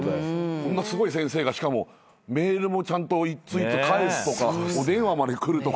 こんなすごい先生がしかもメールもちゃんと一通一通返すとかお電話までくるとか。